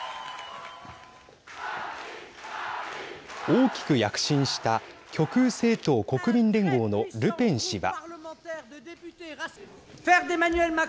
大きく躍進した極右政党国民連合のルペン氏は。